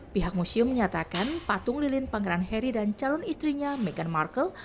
pihak museum menyatakan patung lilin pangeran harry dan calon istrinya meghan markle